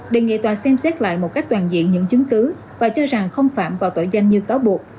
đề nghị tòa xem xét lại một cách toàn diện những chứng cứ và cho rằng không phạm vào tội danh như cáo buộc